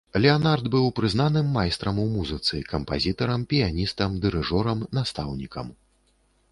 Леанард быў прызнаным майстрам у музыцы, кампазітарам, піяністам, дырыжорам, настаўнікам.